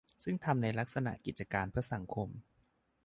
ซึ่งทำในลักษณะกิจการเพื่อสังคม